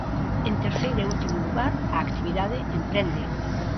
En terceiro e último lugar, a actividade emprende.